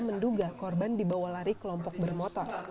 menduga korban dibawa lari kelompok bermotor